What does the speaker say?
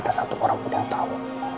kua sama andi sudah mengejut rahasiamu